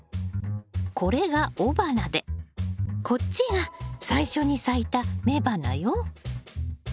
これが雄花でこっちが最初に咲いた雌花よ。